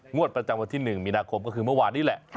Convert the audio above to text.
งวดประจำวันที่๑มีนาคมก็คือเมื่อวานนี้แหละ